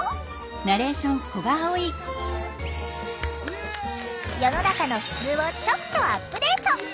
目指すは世の中のふつうをちょっとアップデート！